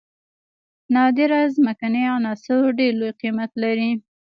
نادره ځمکنۍ عناصر ډیر لوړ قیمت لري.